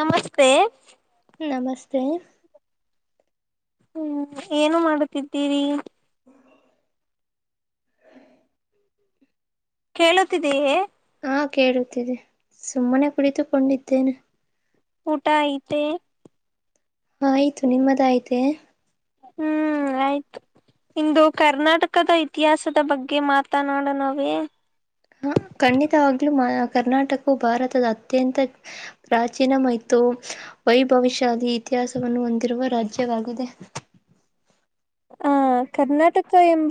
ನಮಸ್ತೆ. ನಮಸ್ತೆ ಹ್ಮ್ ಏನು ಮಾಡುತ್ತಿದ್ದೀರಿ. ಕೇಳುತ್ತಿದೆಯೇ ಹಾ ಕೇಳುತ್ತಿದೆ ಸುಮ್ಮನೆ ಕುಳಿತುಕೊಂಡಿದ್ದೇನೆ. ಊಟ ಆಯಿತೆ ಆಯಿತು ನಿಮ್ಮದಾಯಿತೆ ಹ್ಮ್ ಆಯಿತು ಇಂದು ಕರ್ನಾಟಕದ ಇತಿಹಾಸದ ಬಗ್ಗೆ ಮಾತನಾಡಣವೇ. ಖಂಡಿತವಾಗ್ಲೂ ಕರ್ನಾಟಕವು ಭಾರತದ ಅತ್ಯಂತ ಪ್ರಾಚೀನಮ ಇ ವೈಭವಿಷ್ಯದಿ ಇತಿಹಾಸವನ್ನು ಹೊಂದಿರುವ ರಾಜ್ಯವಾಗಿದೆ. ಹ. [inaudible] ಆ ಕರ್ನಾಟಕ ಎಂಬ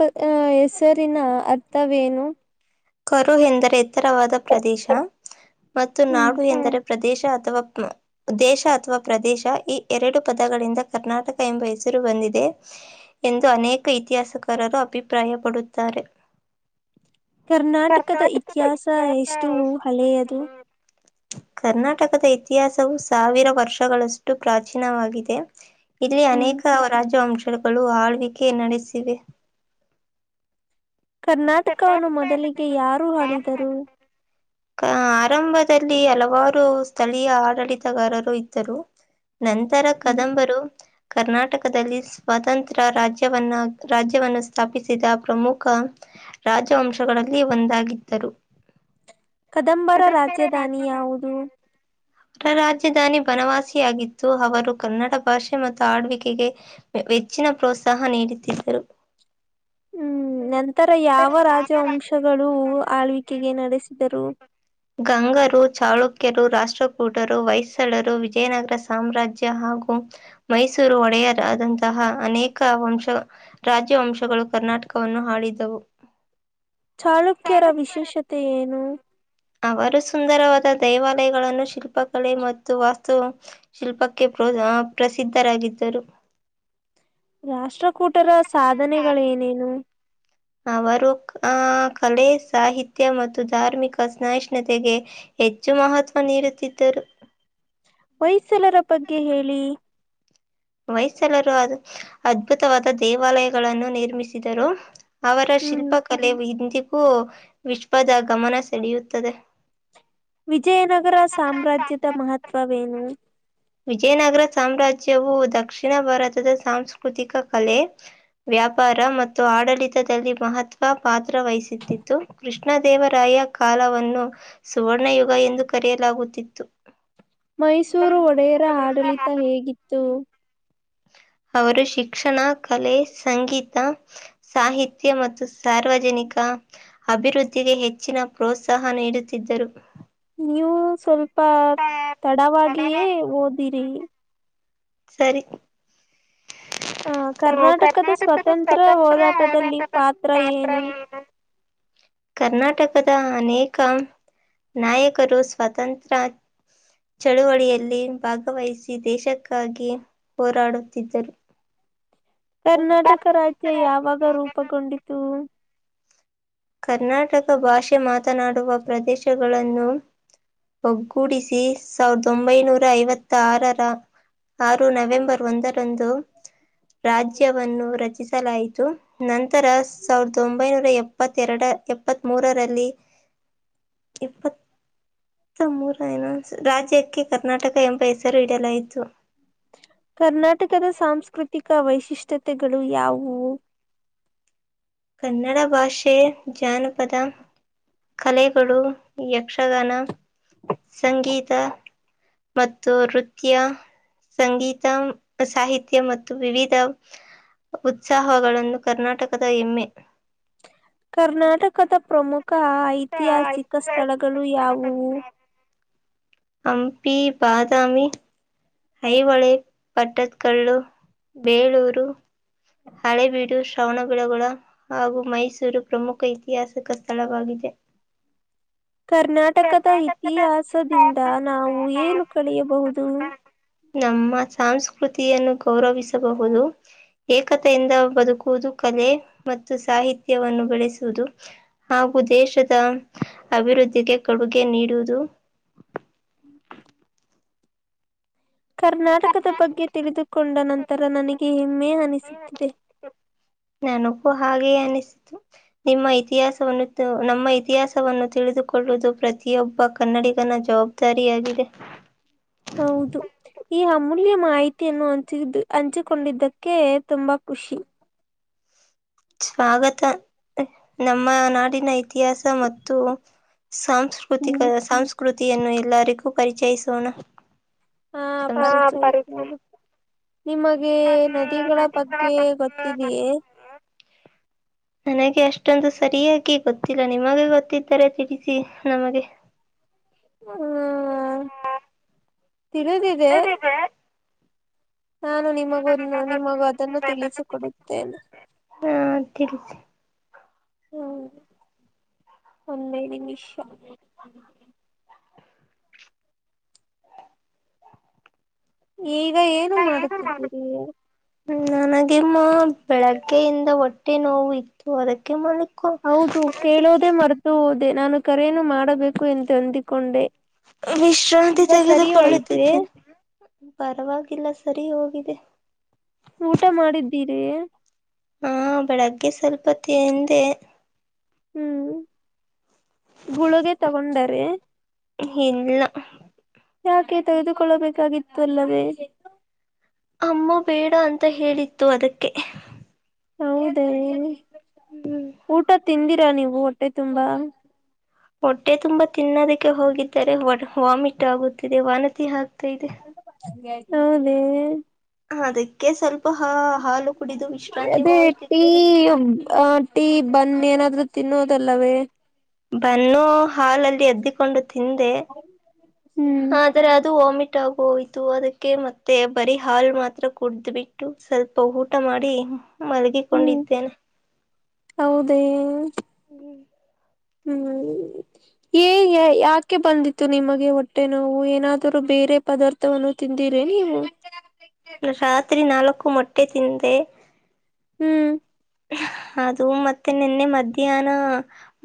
ಹೆಸರಿನ ಅರ್ಥವೇನು ಕರು ಎಂದರೆ ಎತ್ತರವಾದ ಪ್ರದೇಶ ಮತ್ತು ಹ್ಮ್ ನಾಡು ಎಂದರೆ. ಪ್ರದೇಶ ಅಥವಾ ದೇಶ ಅಥವಾ ಪ್ರದೇಶ ಈ ಎರಡು ಪದಗಳಿಂದ ಕರ್ನಾಟಕ ಎಂಬ ಹೆಸರು ಬಂದಿದೆ ಎಂದು ಅನೇಕ ಇತಿಹಾಸಕಾರರು ಅಭಿಪ್ರಾಯಪಡುತ್ತಾರೆ. ಕರ್ನಾಟಕದ ಇತಿಹಾಸ ಎಷ್ಟು ಹಳೆಯದು ಕರ್ನಾಟಕದ ಇತಿಹಾಸವು ಸಾವಿರ ವರ್ಷಗಳಷ್ಟು ಪ್ರಾಚೀನವಾಗಿದೆ ಇಲ್ಲಿ ಹ್ಮ್ ಅನೇಕ ರಾಜವಂಶಗಳು ಆಳ್ವಿಕೆ ನಡೆಸಿವೆ ಕರ್ನಾಟಕವನ್ನು ಮೊದಲಿಗೆ ಯಾರು ಆಳಿದರು ಕ ಆರಂಭದಲ್ಲಿ ಹಲವಾರು ಸ್ಥಳೀಯ ಆಡಳಿತಗಾರರು ಇದ್ದರು ನಂತರ ಹ್ಮ್ ಕದಂಬರು ಕರ್ನಾಟಕದಲ್ಲಿ ಸ್ವಾತಂತ್ರ ರಾಜ್ಯವನ್ನ ರಾಜ್ಯವನ್ನು ಸ್ಥಾಪಿಸಿದ ಪ್ರಮುಖ ರಾಜವಂಶಗಳಲ್ಲಿ ಒಂದಾಗಿದ್ದರು ಕದಂಬರ ರಾಜಧಾನಿ ಯಾವುದು ರಾಜಧಾನಿ ಬನವಾಸಿಿಯಗಿತ್ತು ಅವರು ಕನ್ನಡ ಭಾಷೆ ಮತ್ತು ಆಳ್ವಿಕೆಗೆ ವೆಚ್ಚಿನ ಪ್ರೋತ್ಸಾಹ ನೀಡುತ್ತಿದ್ದರು ಹ್ಮ್ ನಂತರ ಯಾವ ರಾಜವಂಶಗಳು ಆಳ್ವಿ ಕೆ ನಡೆಸಿದರು ಗಂಗರು ಚಾಳುಕ್ಯರು ರಾಷ್ಟ್ರಕೂಟರು ವಯ್ಸಳರು ವಿಜಯನಗರ ಸಾಮ್ರಾಜ್ಯ ಹಾಗೂ ಮೈಸೂರು ಒಡೆಯರಾದಂತಹ ಅನೇಕ ವಂಶ ರಾಜ್ಯ ವಂಶಗಳು ಕರ್ನಾಟಕ ಕವನ್ನು ಆಳಿದ್ದವು ಚಾಳುಕ್ಯರ ವಿಶೇಷತೆ ಏನು ಅವರು ಸುಂದರವಾದ ದೇವಾಲಯಗಳನ್ನು ಶಿಲ್ಪಕಲೆ ಮತ್ತು ವಾಸ್ತು ಶಿಲ್ಪಕ್ಕೆ ಪ್ರ ಪ್ರಸಿದ್ಧರಾಗಿದ್ದರು ರಾಷ್ಟ್ರಕೂಟರ ಸಾಧನೆಗಳೇನೇನು ಅವರು ಆ ಕಲೆ ಸಾಹಿತ್ಯ ಮತ್ತು ಧಾರ್ಮಿಕ ಸಹಿಷ್ಣುತೆಗೆ ಹೆಚ್ಚು ಮಹತ್ವ ನೀಡುತ್ತಿದ್ದರು ಹೊಯ್ಸಳರ ಬಗ್ಗೆ ಹೇಳಿ ಹೊಯ್ಸಳರು ಅದ್ ಅದ್ಭುತವಾದ ದೇವಾಲಯಗಳನ್ನು ನಿರ್ಮಿಸಿದರು ಅವರ ಹ್ಮ್ ಶಿಲ್ಪಕಲೆ ಇಂದಿಗೂ ವಿಶ್ವದ ಗಮನ ಸೆಳೆಯುತ್ತದೆ ವಿಜಯನಗರ ಸಾಮ್ರಾಜ್ಯದ ಮಹತ್ವವೇನು ವಿಜಯನಗರ ಸಾಮ್ರಾಜ್ಯವು ದಕ್ಷಿಣ ಭಾರತದ ಸಾಂಸ್ಕೃತಿಕ ಕಲೆ ವ್ಯಾಪಾರ ಮತ್ತು ಆಡಳಿತದಲ್ಲಿ ಮಹತ್ವ ಪಾತ್ರ ವಹಿಸುತ್ತಿಿದ್ದತ್ತು ಕೃಷ್ಣ ಕೃಷ್ಣದೇವರಾಯ ಕಾಲವನ್ನು ಸುವರ್ಣಯುಗ ಎಂದು ಕರೆಯಲಾಗುತ್ತಿತ್ತು ಮೈಸೂರು ಒಡೆಯರ ಆಡಳಿತ ಹೇಗಿತ್ತು ಅವರು ಶಿಕ್ಷಣ ಕಲೆ ಸಂಗೀತ ಸಾಹಿತ್ಯ ಮತ್ತು ಸಾರ್ವಜನಿಕ ಅಭಿವೃದ್ಧಿಗೆ ಹೆಚ್ಚಿನ ಪ್ರೋತ್ಸಾಹ ನೀಡುತ್ತಿದ್ದರು ನೀವು ಸ್ವಲ್ಪ ತಡವಾಗಿಯೇ ಓದಿರಿ ಸರಿ ಹ ಕರ್ನಾಟಕದ ಸ್ವತಂತ್ರ ಹೋರಾಟದಲ್ಲಿ ಪಾತ್ರ ಏನು ಕರ್ನಾಟಕದ ಅನೇಕ ನಾಯಕರು ಸ್ವಾತಂತ್ರ ಚಳುವಳಿಯಲ್ಲಿ ಭಾಗವಹಿಸಿ ದೇಶಕ್ಕಾಗಿ ಹೋರಾಡುತ್ತಿದ್ದರು ಕರ್ನಾಟಕ ರಾಜ್ಯ ಯಾವಾಗ ರೂಪುಗೊಂಡಿತು ಕರ್ನಾಟಕ ಭಾಷೆ ಮಾತನಾಡುವ ಪ್ರದೇಶಗಳನ್ನು ಒಗ್ಗೂಡಿಸಿ ಸಾವಿರದ ಒಂಬೈನೂರ ಐವತ್ತ ಆರರ ಆರು ನವೆಂಬರ್ ಒಂದರಂದು ರಾಜ್ಯವನ್ನು ರಚಿಸಲಾಯಿತು ನಂತರ ಸಾವಿರದ ಒಂಬೈನೂರ ಎಪ್ಪತ್ತೆರಡ ಎಪ್ಪತ್ತ್ ಮೂರರಲ್ಲಿ ಎಪ್ಪತ್ [inaudible] ಮ್ಮರ ಏನ ರಾಜ್ಯಕ್ಕೆ ಕರ್ನಾಟಕ ಎಂಬ ಹೆಸರು ಇಡಲಾಯ್ತು ಕರ್ನಾಟಕದ ಸಾಂಸ್ಕೃತಿಕ ವೈಶಿಷ್ಟ್ಯತೆಗಳು ಯಾವುವು ಕನ್ನಡ ಭಾಷೆ ಜಾನಪದ ಕಲೆಗಳು ಯಕ್ಷಗಾನ ಸಂಗೀತ ಮತ್ತು ನೃತ್ಯ ಸಂಗೀತ ಸಾಹಿತ್ಯ ಮತ್ತು ವಿವಿಧ ಉತ್ಸಾಹಗಳನ್ನು ಕರ್ನಾಟಕದ ಎಮ್ಮೆ ಕರ್ನಾಟಕದ ಪ್ರಮುಖ ಮುಕ್ಕ ಐತಿಹಾಸಿಕ ಸ್ಥಳಗಳು ಯಾವುವು ಹಂಪಿ ಬಾದಾಮಿ ಐಹಳಿ ಪಟ್ಟದಕಲ್ಲು ಬೇಳೂರು ಹಳೇಬೀಡು ಶ್ರವಣಬೆಳಗೊಳ ಹಾಗೂ ಮೈಸೂರು ಪ್ರಮುಖ ಇಐತಿಹಾಸಿಕ ಸ್ಥಳವಾಗಿದೆ ಹ್ಮ್ ಕರ್ನಾಟಕದ ಇತಿಹಾಸದಿಂದ ನಾವು ಏನು ಕಳೆಯಬಹುದು ನಮ್ಮ ಸಂಸ್ಕೃತಿಯನ್ನು ಗೌರವಿಸಬಹುದು ಏಕತೆಯಿಂದ ಬದುಕು ಹದು ಕಲೆ ಮತ್ತು ಸಾಹಿತ್ಯವನ್ನು ಬೆಳೆಸುವುದು ಹಾಗೂ ದೇಶದ ಅಭಿವೃದ್ಧಿಗೆ ಕೊಡುಗೆ ನೀಡುವುದು ಹ್ಮ್ [inaudible] ಕರ್ನಾಟಕದ ಬಗ್ಗೆ ತಿಳಿದುಕೊಂಡ ನಂತರ ನನಗೆ ಹೆಮ್ಮೆ ಅನಿಸುತ್ತಿದೆ ಹ [inaudible] ಹಾಗೆಯೇ ಅನಿಸಿತು ನಿಮ್ಮ ಇತಿಹಾಸವನ್ನು ನಮ್ಮ ಇತಿಹಾಸವನ್ನು ತಿಳಿದುಕೊಳ್ಳುವುದು ಪ್ರತಿಯೊಬ್ಬ ಕನ್ನಡಿಗನ ಜವಾಬ್ದಾರಿಯಗಾಗಿದೆ ಹೌದು ಈ ಅಮೂಲ್ಯ ಮಾಹಿತಿಯನ್ನು ಹಂಚ ಹಂಚಿಕೊಂಡಿದ್ದಕ್ಕೆ ತುಂಬಾ ಖುಷಿ. ಸ್ವಾಗತ ನಮ್ಮ ನಾಡಿನ ಇತಿಹಾಸ ಮತ್ತು, ಸಾಂಸ್ಕೃತಿಕ ಹ್ಮ್ ಸಂಸ್ಕೃತಿಯನ್ನು ಎಲ್ಲರಿಗೂ ಪರಿಚಯಿಸೋಣ ಹಾ ಪರಿಚಯ ನಿಮಗೆ ನದಿಗಳ ಬಗ್ಗೆ ಗೊತ್ತಿದಿಯೇ ನನಗೆ ಅಷ್ಟೊಂದು ಸರಿಯಾಗಿ ಗೊತ್ತಿಲ್ಲ ನಿಮಗೆ ಗೊತ್ತಿದ್ದರೆ ತಿಳಿಸಿ ನಮಗೆ ಹ್ಮ [inaudible] ತಿಳದಿದೆ ನಾನು ನಿಮಗನ್ನು ನಿಮಗ ಅದನ್ನು ತಿಳಿಸಿಕೊಡುತ್ತೇನೆ [unintelligible] ಹ್ಮ ಒಂದೈ ನಿಮಿಷ. ಈಗ ಏನು ಮಾಡುತ್ತಿದ್ದೀರಿ. ನನಗೆ ಮಾ ಬೆಳಗ್ಗೆಯಿಂದ ಹೊಟ್ಟೆ ನೋವು ಇತ್ತು. ಅದಕ್ಕೆ ಮ ಹೌದು ಕೇಳೋದೇ ಮರ್ತು ಹೋದೆ ನಾನು ಕರೇನು ಮಾಡಬೇಕು ಎಂದು ಅಂದಿಕೊಂಡೆ. ವಿಶ್ರಾಂತಿ ಈಗ ತೆಗೆದು ಸರಿ ಹೋಯ್ತೆ ಕೊಳ್ಳುತಿದ್ದೇನೆ. ಪರವಾಗಿಲ್ಲ ಸರಿ ಹೋಗಿದೆ. ಊಟ ಮಾಡಿದ್ದೀರಿ. ಹಾ ಬೆಳಗ್ಗೆ ಸ್ವಲ್ಪ ತಿಂದೆ. ಹ್ಮ್ ಗುಳುಗೆ ತಗೊಂಡರೆ. ಏನಿಲ್. ಯಾಕೆ ತೆಗೆದುಕೊಳ್ಳಬೇಕಾಗಿತ್ತು ಅಲ್ಲವೇ. ಅಮ್ಮ ಬೇಡ ಅಂತ ಹೇಳಿತ್ತು ಅದಕ್ಕೆ. ಹೌದೇ ಹ್ಮ್ ಊಟ ತಿಂದಿರಾ ನೀವು ಹೊಟ್ಟೆ ತುಂಬಾ. ಹೊಟ್ಟೆ ತುಂಬಾ ತಿನ್ನೋದಕ್ಕೆ ಹೋಗಿದ್ದರೆ ವಾಮಿಟ್ ಆಗುತ್ತಿದೆ. ವನತಿ ಹಾಕ ತಿದೆ. ಹೌದೇ, ಅದಕ್ಕೆ ಸ್ವಲ್ಪ ಹಾ ಹಾಲು ಕುಡಿದು ವಿಶ್ರಾಂತಿ ಅದೇ ಟೀ ಮಾಡುತ್ತಿದ್ದೇನೆ. ಟೀ ಬನ್ನ ಏನಾದ್ರೂ ತಿನ್ನೋದಲ್ಲವೇ. ಬನ್ನು ಹಾಲಲ್ಲಿ ಎದ್ದಿಕೊಂಡು ತಿಂದೆ ಹ್ಮ್ ಆದ್ರೆ ಅದು ವಾಮೀ ಊಟ ಹೋಯ್ತು ಅದಕ್ಕೆ ಮತ್ತೆ ಬರಿ ಹಾಲು ಮಾತ್ರ ಕುಡ್ದ್ ಬಿಟ್ಟು ಸ್ವಲ್ಪ ಊಟ ಮಾಡಿ. ಹ್ಮ್ ಮಲಗಿಕೊಂಡಿದ್ದೇನೆ. ಹೌದೇ. [inaudible] ಹ್ಮ್ ಏ ಯಾಕೆ ಬಂದಿತ್ತು ನಿಮಗೆ ಹೊಟ್ಟೆ ನೋವು ಏನಾದರೂ ಬ ಬೇರೆ ಪದಾರ್ಥವನ್ನು ತಿಂದಿರಿ ನೀವು. ರಾತ್ರಿ ನಾಲ್ಕು ಮೊಟ್ಟೆ ತಿಂದೆ. ಹ್ಮ್. ಅದು ಮತ್ತೆ ನಿನ್ನೆ ಮಧ್ಯಾಹ್ನ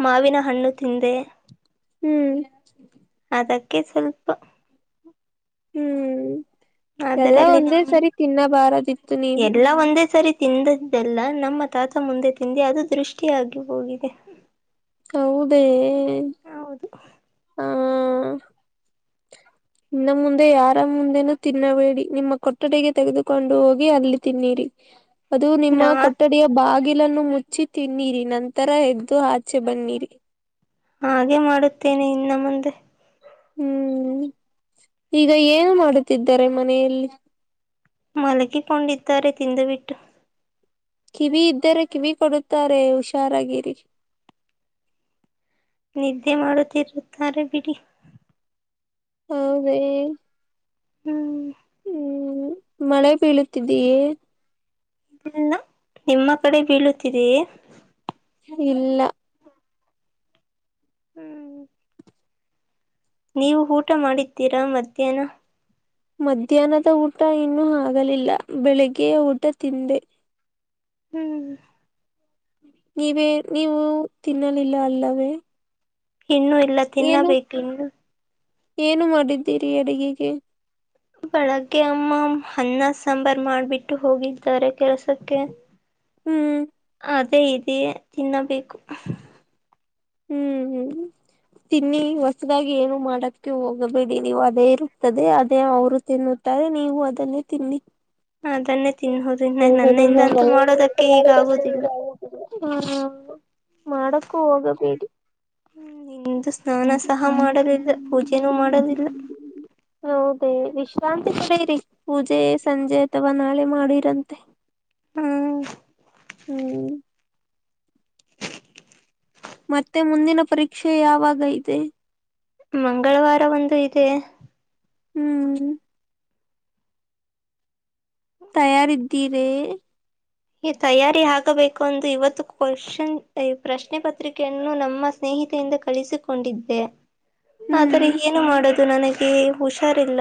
ಮಾವಿನ ಹಣ್ಣು ತಿಂದೆ. ಹ್ಮ್. ಅದಕ್ಕೆ ಸ್ವಲ್ಪ, ಹ್ಮ್ ಎಲ್ಲ ಅದರಲ್ಲಿ ಒಂದೇ ನಮ್ ಸರಿ ತಿನ್ನಬಾರದಿತ್ತು ನೀವು. ತಿಂದದ್ದೆಲ್ಲ ನಮ್ಮ ತಾತ ಮುಂದೆ ತಿಿಂದಿ ಅದು ದೃಷ್ಟಿಯಾಗಿ ಹೋಗಿದೆ. ಹೌದೇ ಹೌದು ಹಾ. ಇನ್ನು ಮುಂದೆ ಯಾರ ಮುಂದೆನು ತಿನ್ನಬೇಡಿ ನಿಮ್ಮ ಕೊಠಡಗೆ ತೆಗೆದುಕೊಂಡು ಹೋಗಿ ಅಲ್ಲಿ ತಿನ್ನಿರಿ. ಅದು ನಿಮ್ಮ ರಾತ್ ಕೊಠಡಿಯ ಬಾಗಿ. ಕಲನ್ನು ಮುಚ್ಚಿ ತಿನ್ನಿರಿ ನಂತರ ಎದ್ದು ಆಚೆ ಬನ್ನಿರಿ. ಹಾಗೆ ಮಾಡುತ್ತೇನೆ ಇನ್ನು ಮುಂದೆ. ಹ್ಮ್ ಈಗ ಏನು ಮಾಡುತ್ತಿದ್ದಾರೆ ಮನೆಯಲ್ಲಿ. ಮಲಗಿಕೊಂಡಿದ್ದಾರೆ ತಿಂದು ಬಿಟ್ಟು. ಕಿವಿ ಇದ್ದರೆ ಕಿವಿ ಕೊಡುತ್ತಾರೆ ಹುಷಾರಾಗಿರಿ ನಿದ್ದೆ ಮಾಡುತ್ತಿರುತ್ತಾರೆ ಬಿಡಿ. ಹೌದ ಹ್ಮ್. ಹ್ಮ್ ಮಳೆ ಬೀಳತಿದೀಏ. ಇ ನಿಮ್ಮ ಕಡೆ ಬೀಳುತಿದೀಯ. ಇಲ್ಲ. ಹ್ಮ್. ನೀವು ಊಟ ಮಾಡಿದ್ದೀರಾ ಮಧ್ಯಾಹ್ನ. ಮಧ್ಯಾಹ್ನದ ಊಟ ಇನ್ನೂ ಆಗಲಿಲ್ಲ ಬೆಳಿಗ್ಗೆ ಊಟ ತಿಂದೆ. ಹ್ಮ್. ನೀವೇ ನೀವು ತಿನ್ನಲಿಲ್ಲ ಅಲ್ಲವೇ. ಇನ್ನುೂ ಇಲ್ಲ ಏನು ತಿನ್ನಬೇಕು ಇನ್ನು ಏನು ಮಾಡಿದ್ದೀರಿ ಅಡಗೆಗೆ. ಬೆಳಗ್ಗೆ ಅಮ್ಮ ಹನ್ನ ಸಾಂಬಾರ ಮಾಡ್ಬಿಟ್ಟು ಹೋಗಿದ್ದಾರೆ ಕೆಲಸಕ್ಕೆ ಹ್ಮ್. ಅದೇ ಇದೆ ತಿನ್ನಬೇಕು ಹ್ಮ್ ಹ್ಮ್. ತಿನ್ನಿ ಹೊಸದಾಗಿ ಏನು ಮಾಡದಕ್ಕೆ ಹೋಗಬೇಡಿ ನೀವು ಅದೇ ಇರುತ್ತದೆ ಅದೇ ಅವರು ತಿನ್ನು ನೀವು ಅದನ್ನೇ ತಿನ್ನಿ. ಅದನ್ನೇ ತಿನ್ನೋದು ಇನ್ನ ಹ ಹ ಹೌ ನನ್ನಿಂದಂತೂ ಮಾಡೋದಕ್ಕೆ ಈಗ ಹ ಆಗೋದಿಲ್ಲ. [unintelligible] ಹಾ ಮಾಡಕ್ಕೂ ಹೋಗಬೇಡಿ. ಹ ನಿಂದು ಸ್ನಾನ ಸಹ ಮಾಡಲಿಲ್ಲ ಪೂಜೆನೂ ಮಾಡಲಿಲ್ಲ ಮತ್ತೆ ವಿಶ್ರಾಂತಿ ಪಡೆಯಿರಿ ಪೂಜೆ ಸಂಜೆ ಅಥವಾ ನಾಳೆ ಮಾಡಿರಂತೆ. ಹ್ಮ್. ಹ್ಮ್ ಮತ್ತೆ ಮುಂದಿನ ಪರೀಕ್ಷೆ ಯಾವಾಗ ಇದೆ. ಮಂಗಳವಾರ ಒಂದು ಇದೆ ಹ್ಮ್. ತಯಾರಿದ್ದೀರ ಈ ತಯಾರಿ ಆಗಬೇಕು ಎಂದು ಇವತ್ತು ಕ್ವಶನ್ ಪ್ರಶ್ನೆ ಪತ್ರಿಕೆಯನ್ನು ನಮ್ಮ ಸ್ನೇಹ. ಸ್ನೇಹಿತೆಯಿಂದ ಕಳಿಸಿಕೊಂಡಿದ್ದೆ ಹ್ಮ್ ಆದರೆ ಏನು ಮಾಡದು ನನಗೆ ಹುಷಾರಿಲ್ಲ.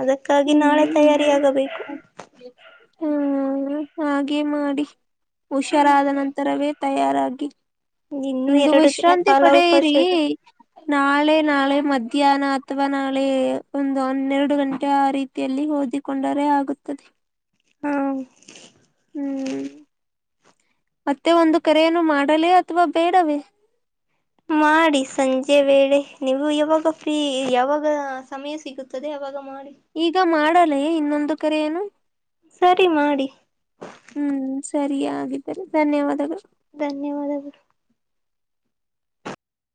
ಅದಕ್ಕಾಗಿ ನಾಳೆ ಹ್ಮ್ ತಯಾರಿ ಆಗಬೇಕು ಹ್ಮ ಹಾಗೆ ಮಾಡಿ ಹುಷಾರಾದ ನಂತರವೇ ತಯಾರಾಗಿ. ಇನ್ನುೂ ಇಂದು ಎರಡು ದಿನ ವಿಶ್ರಾಂತಿ ಪಡ ಕಾಲಾವಕಾಶ ಇಿರಿ ಇದೆ ನಾಳೆ ನಾಳೆ ಮಧ್ಯಾಹ್ನ ಅಥವಾ ನಾಳೆ ಒಂದು ಹನ್ನೆರಡು ಗಂಟೆ ಆ ರೀತಿಯಲ್ಲಿ ಓದಿಕೊಂಡರೆ ಆಗುತ್ತೆ ದೆ ಹಾ ಹ್ಮ್ ಮತ್ತೆ ಒಂದು ಕರೆಯನ್ನು ಮಾಡಲೇ ಅಥವಾ ಬೇಡವೇ ಮಾಡಿ ಸಂಜೆ ವೇಳೆ ನೀವು ಯಾವಾಗ ಫ್ರೀ ಯಾವಾಗ ಸಮಯ ಸಿಗುತ್ತದೆ ಯಾಗ ಮಾಡಿ ಈಗ ಮಾಡಲೇ ಇನ್ನೊಂದು ಕರೆಯಏನು ಸರಿ ಮಾಡಿ ಸರಿ ಆಗಿದ್ದಿದ್ದಾರೆ ಧನ್ಯವಾದಗಳು ಧನ್ಯವಾದಗಳು